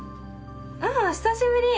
ああ久しぶり。